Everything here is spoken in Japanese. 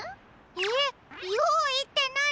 えっよういってなに？